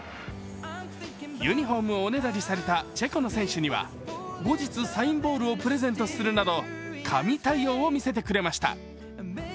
ユニフォームをおねだりされたチェコの選手には後日、サインボールをプレゼントするなど神対応を見せてくれました。